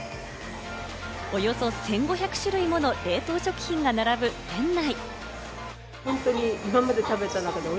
およそ１５００種類もの冷凍食品が並ぶ店内。